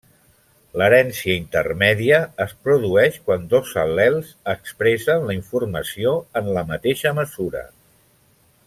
L'herència intermèdia es produeix quan dos al·lels expressen la informació en la mateixa mesura.